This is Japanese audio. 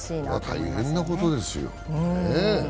大変なことですよ、ねえ。